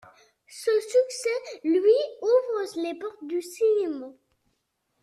Ce succès lui ouvre les portes du cinéma.